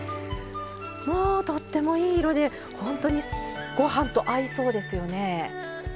もうとってもいい色で本当にご飯と合いそうですよね。